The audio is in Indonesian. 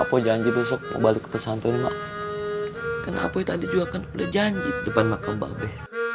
apa janji besok mau balik pesantren mak karena aku tadi juga kan udah janji depan makam balde